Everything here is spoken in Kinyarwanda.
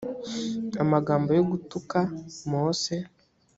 amagambo yo gutuka mose